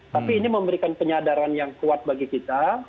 tapi ini memberikan penyadaran yang kuat bagi kita